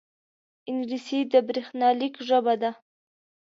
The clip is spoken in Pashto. انګلیسي د بریښنالیک ژبه ده